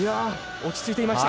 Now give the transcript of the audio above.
落ち着いていました。